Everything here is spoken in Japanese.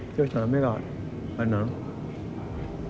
目があれなの？